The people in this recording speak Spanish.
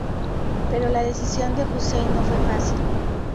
Pero la decisión de Hussein no fue fácil.